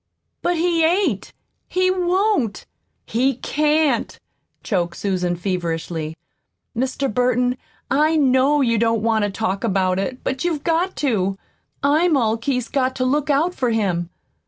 "But he ain't he won't he can't," choked Susan feverishly. "Mr. Burton, I KNOW you don't want to talk about it, but you've got to. I'm all Keith's got to look out for him."